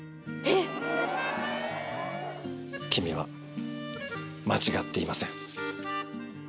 「君は間違っていません」。